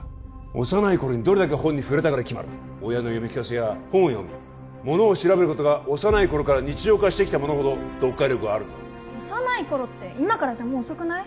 幼い頃にどれだけ本に触れたかで決まる親の読み聞かせや本を読みものを調べることが幼い頃から日常化してきた者ほど読解力はあるんだ幼い頃って今からじゃもう遅くない？